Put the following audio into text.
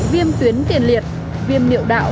viêm tuyến tiền liệt viêm niệu đạo